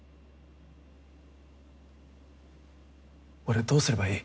俺どうすればいい？